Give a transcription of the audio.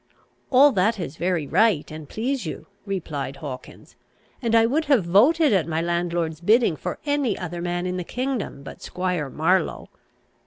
"All that is very right, and please you," replied Hawkins, "and I would have voted at my landlord's bidding for any other man in the kingdom but Squire Marlow.